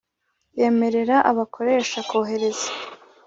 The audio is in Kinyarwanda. Yemerera abakoresha kohereza